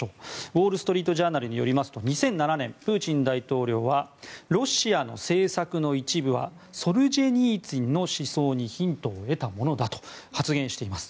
ウォール・ストリート・ジャーナルによりますと２００７年プーチン大統領はロシアの政策の一部はソルジェニーツィンの思想にヒントを得たものだと発言しています。